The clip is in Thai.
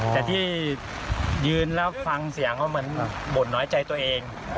แต่ที่ยืนแล้วฟังเสียงเขาเหมือนบ่นน้อยใจตัวเอง